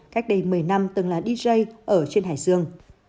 cách đây một mươi năm từng là dj ở trên hải dương